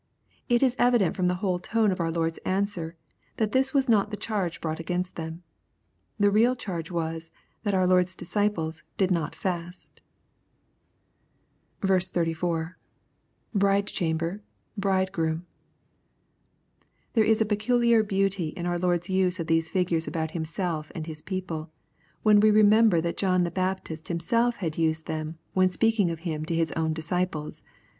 It is evi dent from the whole tone of our Lord's answer, that this was not the charge brought against them. The real charge was, that our Lord's disciples " did not fest." 34. — [Bridecha7nher,.hridegroom.'] There is a peculiar beauty in our Lord's use of these figures about Himself and His people, when we remember that John the Baptist himself had used them when speaking of Him to his own disciples.